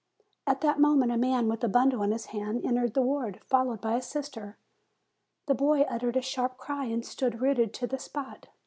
At that moment a man with a bundle in his hand entered the ward, followed by a sister. The boy uttered a sharp cry, and stood rooted to the spot.